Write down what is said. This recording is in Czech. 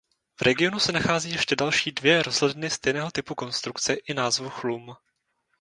V regionu se nachází ještě další dvě rozhledny stejného typu konstrukce i názvu „Chlum“.